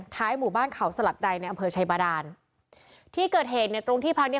หมู่บ้านเขาสลัดใดในอำเภอชัยบาดานที่เกิดเหตุเนี่ยตรงที่พักเนี้ย